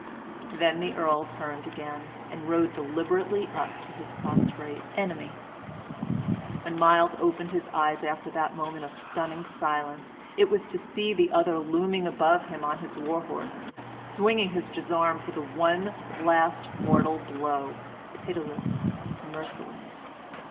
Then the Earl turned again, and rode deliberately up to his prostrate enemy. When Myles opened his eyes after that moment of stunning silence, it was to see the other looming above him on his war horse, swinging his gisarm for one last mortal blow pitiless, merciless.